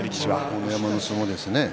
豪ノ山の相撲ですね。